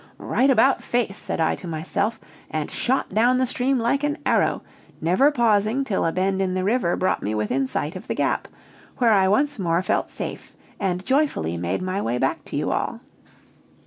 'Right about face!' said I to myself, and shot down the stream like an arrow, never pausing till a bend in the river brought me within sight of the Gap, where I once more felt safe, and joyfully made my way back to you all."